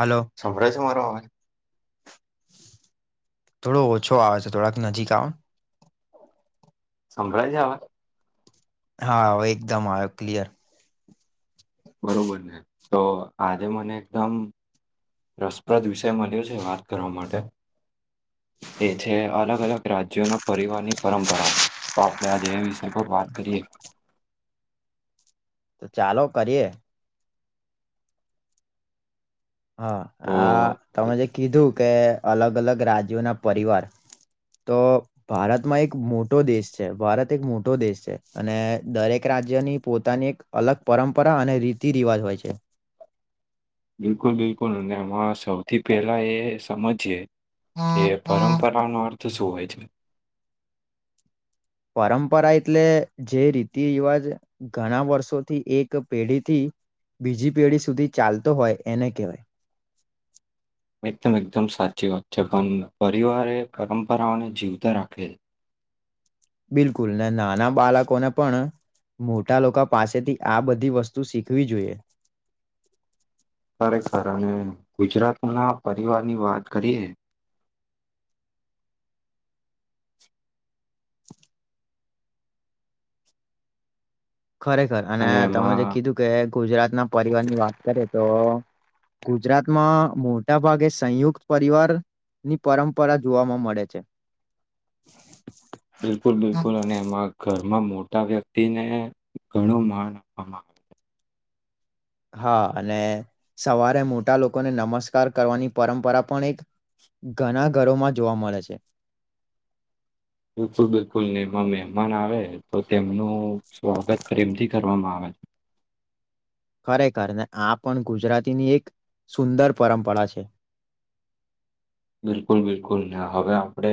હાલો સંભળાય છે મારો અવાજ થોડો ઓછો આવે છે થોડાક નજીક આવો સમભળાય છે હવે હા એકદમ આવ્યો ક્લિયર બરોબર ને તો આજે મને એકદમ રસપ્રદ વિષય મળન્યો છે વાત કરવા માટે એ છે અલગ અલગ રાજ્યોના પરિવારની પરંપરાઓ તો આપડણે આજે એ વિષય પર વાત કરીએ તો ચાલો કરીએ હા તો આ તમે જે કીધું કે અલગ અલગ રાજ્યોના પરિવાર તો ભારતમાં એક મોટો દેશ છે ભારત એક મોટો દેશ છે અને દરેક રાજ્યની પોતાની એક અલગ પરંપરા અને રીતિ રિવાજ હોય છે બિલકુલ બિલકુલ અને એમાં સૌથી પેલા એ સમજીયે કે પરંપરાનો અર્થ શું હોય છે પરંપરા એટલે જે રીતિ રિવાજ ઘણા વર્ષોથી એક પેઢીથી બીજી પેઢી સુધી ચાલતો હોય એને કહેવાય [inaudible] એકદમ એકદમ સાચી વાત છે પણ પરિવારે પરંપરાઓને જીવતા રાખેલ બિલકુલ ને નાના બાળકોને પણ મોટા લોકો પાસેથી આ બધી વસ્તુ શીખવી જોઈએ ખરેખર અને ગુજરાતના પરિવારની વાત કરીએ ખરેખર અને તમે જે કીધું કે ગુજરાતના પરિવાર ની વાત કરીએ તો ગુજરાતમાં મોટા ભાગે સંયુક્ત પરિવાર ની પરંપરા જોવામાં મળે છે બિલકુલ બિલકુલ અને એમાં ઘર એમાં મોટા વ્યક્તિને ઘણું માન આપવામાં આવે છે હા અને સવારે મોટા લોકોને નમસ્કાર કરવાની પરંપરા પણ એક ઘણા ઘરોમાં જોવા મળે છે, [inaudible] બિલકુલ બિલકુલ ને એમાં મમાન આવે તો તેમનું સ્વાગત કરીરીમથી કરવામાં આવે [inaudible] ખરેખર ને આ પણ ગુજરાતીની એક સુંદર પરંપરા છે, [inaudible] બિલકુલ બિલકુલને હવે આપડે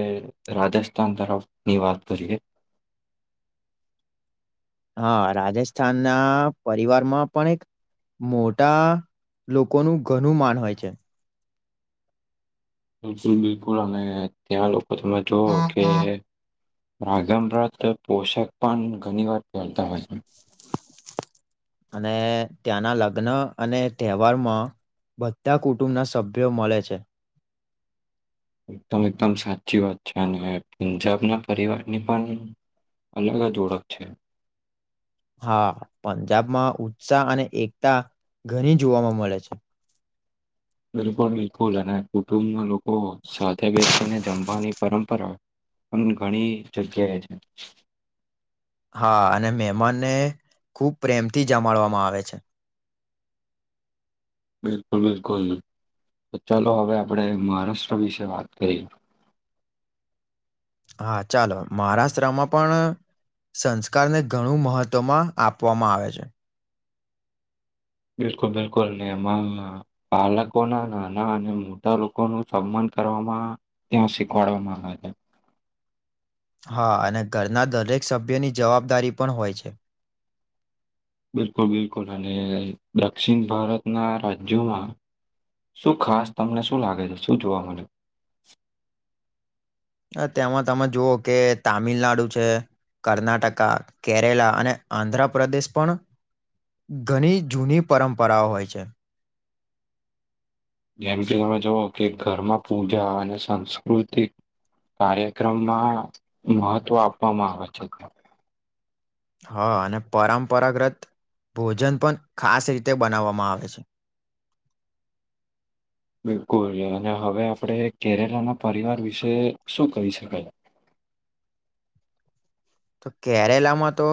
રાજસ્થાન તરફની વાત કરીએ. [inaudible] હા, રાજસ્થાન ના પરિવારમાં પણ એક મોટા લોકોનું ઘનું માન હોય છે, બિલકુલ બિલકુલ અને ત્યાં લોકો તમે જોઓ કે રાગભ્રત પોષાક પાન ઘણી વાર ફહેરતા હોય છે, અને ત્યાંના લગ્ન અને તહેવારમાં બધા કુટુંબના સભ્યો મળે છે, એકદમ એકદમ સાચી વાત છે, અને પંજાબના પરિવારની પણ અલગ ઓળખ છે, હા, પંજાબમાં ઉત્સાહ અને એકતા ઘણી જોવાવામાં મળે છે, બિલકુલ બિલકુલ અને કુટુંબના લોકો સાથે બેસીને જમવાની પરંપરા પણ ઘણી જગ્યાએ છે, હા, અને મહેમાનને ખૂબ પ્રેમથી જમાડવામાં આવે છે. બિલકુલ બિલકુલ તો ચાલો હવે આપણેે મહારાષ્ટ્ર વિશે વાત કરી હા, ચાલો મહારાષ્ટ્રામાં પણ સંસ્કારને ઘણું મહત્વમાં આપવામાં આવે છે, બિલકુલ બિલકુલ ને એમાં બાલકોના નાના અને મોટા લોકો ન સંબંધ કરવામાં ત્યાં શીખવાડવામાં આવે છે, હા, અને ઘરના દરેક સભ્યોની જવાબદારી પણ હોય છે. બિલકુલ બિલકુલ અને દક્ષિણ ભારતના રાજ્યોમાં શું ખાસ તમને શું લાગે છે શું જોવા મળે? અ તેમાં તમે જુઓ કે તામિલનાડુ છે, કર્ણાટકા કેરેલા અને આંધ્રપદેશ પણ ઘણી જૂની પરંપરાઓ હોય છે, [inaudible] જેમ કે તમે જુઓ કે ઘરમાં પૂજા અને સાસ્કૃતિક કાર્યક્રમમાં મહત્વ આપવામાં આવે છે, હા, અને પરંપરાગ્રત ભોજન પણ ખાસ રીતે બનાવવામાં આવે છે, [inaudible] બિલકુલ અને હવે આપણે કેરેલાના પરિવાર વિશે શું કહી શકાય, [inaudible] તો કેરેલા માં તો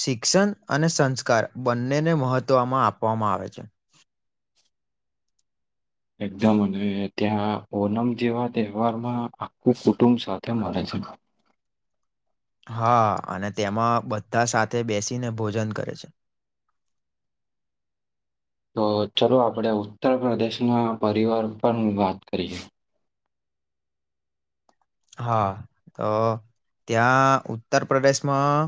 શિક્ષણ અને સંસ્કાર બંનેને મહત્વમાં આપવામાં આવે છે, એકદમ અને ત્યાં ઓનમ જેવા તહેવાર માં આખું કુટુંબ સાથે મળે છે, [unintelligible] હા, અને તેમાં બધા સાથે બેસીને ભોજન કરે છે. [unintelligible] તો ચાલ આપડે ઉત્તર પ્રદેશ ના પરિવાર પર વાત કરીએ, હા, તો ત્યાં ઉત્તર પ્રદેશમાં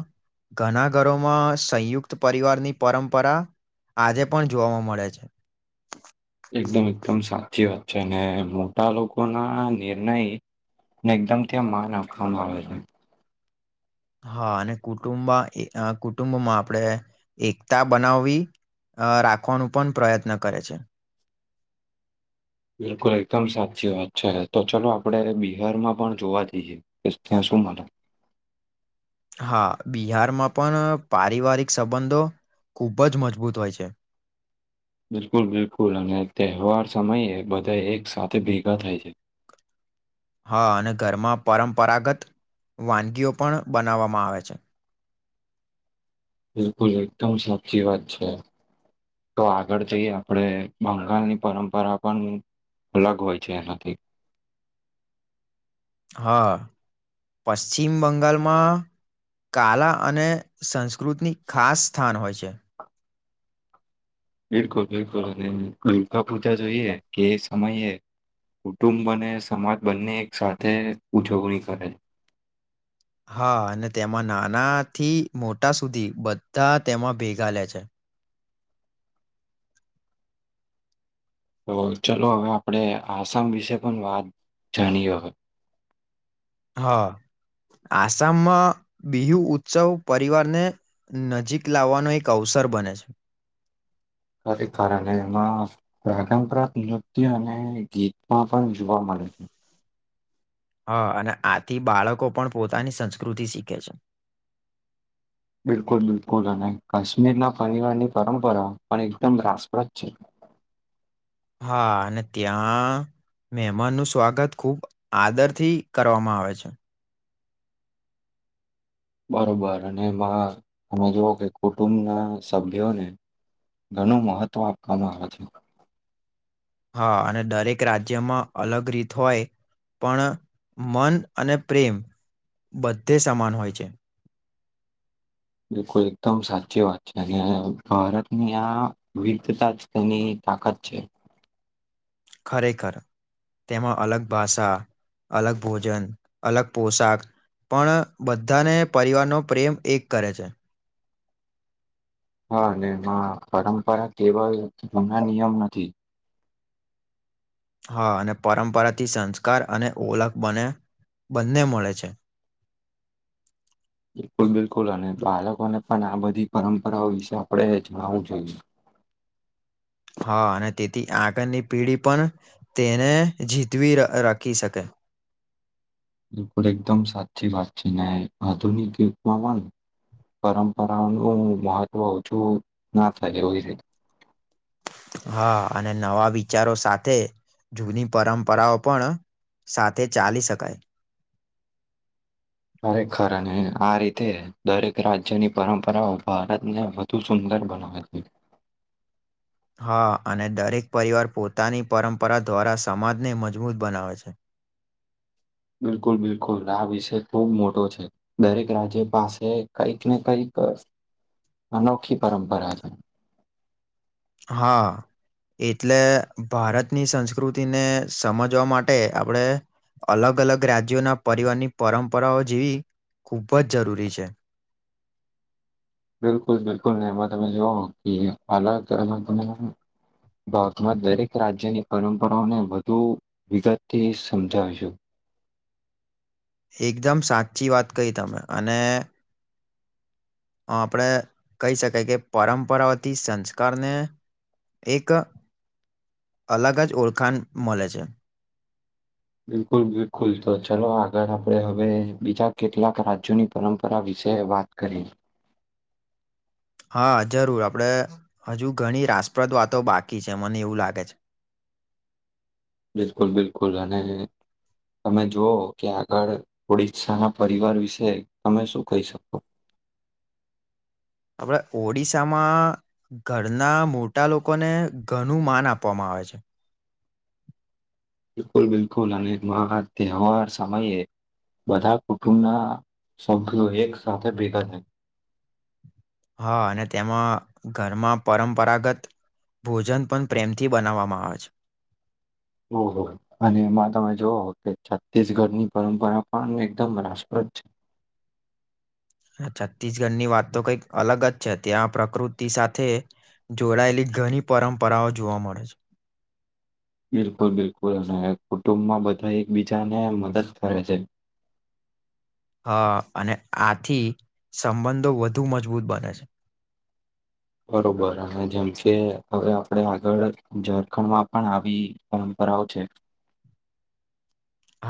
ઘણા ઘરોમાં સંયુક્ત પરિવારની પરંપરા આજે પણ જોવાવામાં મળે છે, એકદમ એકદમ સાચી વાત છે અને મોટા લોકો ના નિર્ણય ને એકદમ ત્યાં માન આપખવામાં આવે છે હા અને કુટુંબ કુટુંબમાં આપણે એકતા બનાવવી અ રાખવાનું પણ પ્રયત્ન કરે છે બિલકુલ એકદમ સાચી વાત છે તો ચાલો આપડ બિહારમાં પણ જોવા જઈએ ત્યાં સુ શ મા હા બિહારમાં પણ પારિવારિક સંબંધો ખૂબ જ મજબૂત હોય છે બિલકુલ બિલકુલ અને તહેવાર સમયે બધા એક સાથે ભેગા થાય છે [unintelligible] હા અને ઘરમાં પરંપરાગત વાનગીઓ પણ બનાવવામાં આવે છે બિલકુલ એકદમ સાચી વાત છે તો આગળ જઈએ આપણેે બંગાળની પરંપરા પણ અલગ હોય છે એનાથી હા પશ્ચિમ બંગાળમાં કાલા અને સંસ્કૃતિની ખાસ સ્થાન હોય છે બિલકુલ બિલકુલ અને દુર્ગા પૂજા જોઈએ કે સમય એ કુટુંબને સમાજ બંને એક સાથે ઉજવણી કરે હા અને તેમાં નાના થી મોટા સુધી બધા તેમાં ભેગા લે છે તો ચલો હવે આપણે આસામ વિશે પણ વાત જાણીએ હા આસામમાં બિહુ ઉત્સવ પરિવારને નજીક લાવવાનો એક અવસર સર બને છે [inaudible] કારણે એમાં પરંપરાત નૃત્ય અને ગીતમાં પણ જોવા મળે છે હા અને આથી બાળકો પણ પોતાની સંસ્કૃતિ શીખે છે બિલકુલ બિલકુલ અને કાશ્મીરના પરિવારની પરંપરા પણ એકદમ રાસપ્રદ છે [inaudible] હા અને ત્યાં મહેમાનનું સ્વાગત ખૂબ આદરથી કરવામાં આવે છે બરોબર અને એમાં તમે જોવ કે કુટુંબ ના સભ્યોને ઘણું મહત્વ આપવામાં આવે છે હા અને દરેક રાજ્યમાં અલગ રીત હોય પણ મન અને પ્રેમ બધે સમાન હોય છે બિલકુલ એકદમ સાચી વાત છે અને ભારતની આ વિવિધતા જ તેની તાકાત છે ખરેખર તેમાં અલગ ભાષા અલગ ભોજન અલગ પોશાક પણ બધાને પરિવારનો પ્રેમ એક કરે છે. હા ને એમાં પરંપરા કેવલ હમણા નિયમ નથી. હા અને પરંપરાથી સંસ્કાર અને ઓલખ બને બંને મળે છે. બિલકુલ બિલકુલ અને બાળકોને પણ આ બધી પરંપરાઓ વિશે આપણે જણાવું જોઈએ. હા અને તેથી આગળની પીઢી પણ તેને જીતવી ર રાખી શકે. એકદમ સાચી વાત છે ને આધુનિક યુગમાં પણ પરંપરાઓનું ઓ મહત્વ ઓછું ના થાય એવી રીત. હા અને નવા વિચારો સાથે જૂની પરંપરાઓ પણ સાથે ચાલી શકાય ખરેખર અને આ રીતે દરેક રાજ્યની પરંપરાઓ ભારતને વધુ સુંદ ર બનાવે છે. હા, અને દરેક પરિવાર પોતાની પરંપરા દ્વારા સમાજને મજબૂત બનાવે છે. બિલકુલ બિલકુલ આ વિષય ખુબ મોટો છે દરેક રાજ્ય પાસે કઈક ને કઈક પાસ અનોખી પરંપરા છે. હા. એટલે ભારતની સંસ્કૃતિને સમજવા માટે આપડે અલગ અલગ રાજ્યોના પરિવારની પરંપરાઓ જેવી ખૂબ જ જરૂરી છે. બિલકુલ બિલકુલ ને એમાં તમે જો કે અલગ અલગ ને ભારતમાં દરેક રાજ્યની પરંપરાઓને વધુ વિગતથી સમજાવીશું એકદમ સાચી વાત કહી તમે અને આપણે કહી શકાય કે પરંપરાવતી સંસ્કારને એક અલગ જ ઓળખાણ મલે છે. બિલકુલ બિલકુલ તો ચલો આગળ આપડે હવે બીજા કેટલાક રાજ્યોની પરંપરા વિ શે વાત કરી હા, જરૂર આપડે હજુ ઘણી રાસપ્રદ વાતો બાકી છે મને એવું લાગે છે. બિલકુલ બિલકુલ અને તમે જોઓ કે આગળ ઓડીસા ના પરિવાર વિશે તમે શું કહી શકો? આપણે ઓડિશામાં ઘરના મોટા લોકોને ઘનું માન આપવામાં આવે છે. બિલકુલ બિલકુલ અને મહા તહેવાર સમયે બધા કુટુંબના સભ્યો એક સાથે ભેગા થાય હા, અને તેમાં ઘરમાં પરંપરાગત ભોજન પણ પ્રેમથી બનાવવામાં આવે છે. ઓહો અને એમાં તમે જોઓ કે છત્તીસગઢની પરંપરા પણ એકદમ રાષ્ટ્ર અચ. હા, છત્તીસગઢની વાત તો કંઈક અલગ જ છે, ત્યાં પ્રકૃતિ સાથે જોડાયેલી ઘણી પરંપરાઓ જોવા મળે છે. બિલકુલ બિલકુલ અને કુટુંબમાં બધા એકબીજાને મદદ કરે છે. હા, અને આથી સંબંધો વધુ મજબૂત બને છે. બરોબર અને જેમ કે હવે આપડે આગળ ઝારખંડમાં પણ આવી પરં પરાઓ છે.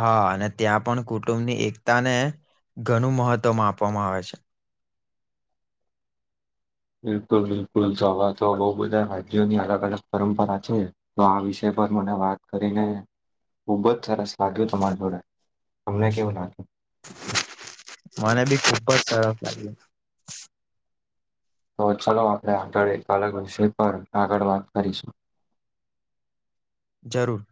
હા, અને ત્યાં પણ કુટુંબની એકતા ને ઘણું મહત્વમ આપવામાં આવે છે. બિલકુલ બિલકુલ તોવા તો બોવ બધા રાજ્યોની અલગ અલગ પરંપરા છે, તો આ વિષય પર મને વાત કરીને ખુબ જ સરસ લાગ્યું તમારા જોડે તમનેં કેવુ લાગ્યું મને બી ખુબ જ સરસ લાગ્યું તો ચલો આપણે આગળ એક અલગ વિષય પર આગળ વાત કરીશું જરૂર.